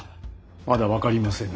まだ分かりませぬ。